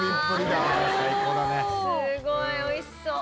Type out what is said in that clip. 「すごい美味しそう」